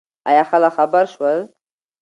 ایا خلک خبر شول؟